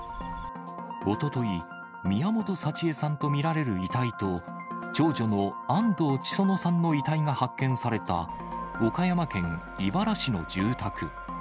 おととい、宮本幸枝さんと見られる遺体と、長女の安藤千園さんの遺体が発見された、岡山県井原市の住宅。